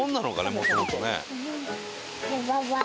もともとね。